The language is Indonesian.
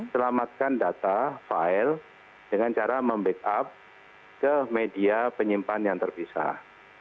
selamatkan data file dengan cara membackup ke media penyimpan yang terpisah